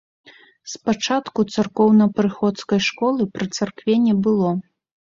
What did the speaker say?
Спачатку царкоўна-прыходскай школы пры царкве не было.